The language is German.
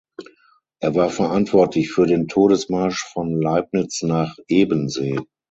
Er war verantwortlich für den Todesmarsch von Leibnitz nach Ebensee.